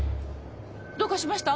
どうかしました？